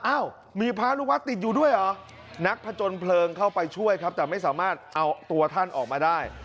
อ้าวมีพระลูกวัดติดอยู่ด้วยเหรอนักผจญเพลิงเข้าไปช่วยครับแต่ไม่สามารถเอาตัวท่านออกมาได้